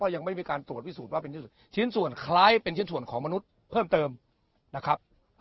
ยังไม่มีการตรวจพิสูจน์ว่าเป็นชิ้นส่วนคล้ายเป็นชิ้นส่วนของมนุษย์เพิ่มเติมนะครับ